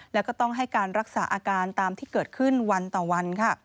แล้วก็ต้องให้การรักษาอาการตามที่เกิดขึ้นวันต่อวัน